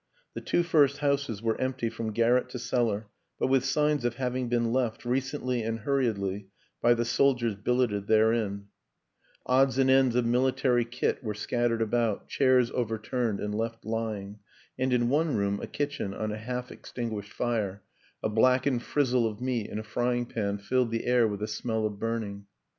The two first houses were empty from garret to cellar, but with signs of having been left, recently and hurriedly, by the soldiers billeted therein; 137 138 WILLIAM AN ENGLISHMAN odds and ends of military kit were scattered about, chairs overturned and left lying; and in one room, a kitchen, on a half extinguished fire, a blackened frizzle of meat in a frying pan filled the air with a smell of burning.